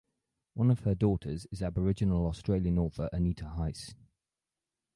One of her daughters is Aboriginal Australian author Anita Heiss.